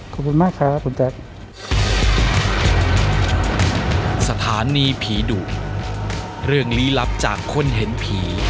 ขอบคุณมากครับขอบคุณแจ็ค